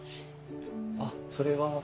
あっそれは？